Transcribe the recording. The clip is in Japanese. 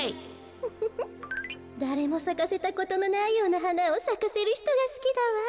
ウフフだれもさかせたことのないようなはなをさかせるひとがすきだわ。